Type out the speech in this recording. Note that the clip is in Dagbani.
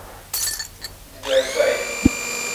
Di doli soli.